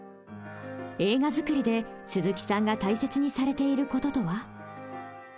映画づくりで鈴木さんが大切にされている事とは？